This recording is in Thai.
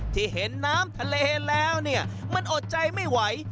ที่เห็นน้ำทะเลแล้วเนี่ยมันอดใจไม่ไหว